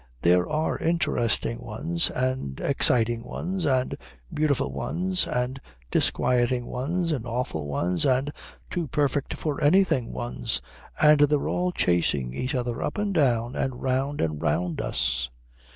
"There are interesting ones, and exciting ones, and beautiful ones, and disquieting ones, and awful ones, and too perfect for anything ones, and they're all chasing each other up and down and round and round us."